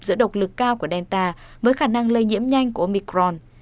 giữa độc lực cao của delta với khả năng lây nhiễm nhanh của omicron